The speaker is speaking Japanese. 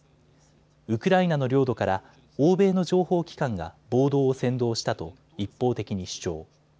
ウクライナの領土から欧米の情報機関が暴動を扇動したと一方的に主張。